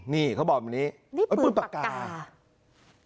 นี่เค้าบอกแบบนี้เลือกปืนประกาศใช่ไหมนี่ปืนประกาศ